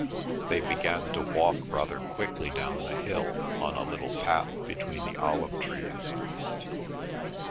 They began to walk rather quickly down the hill on a little path between the olive trees.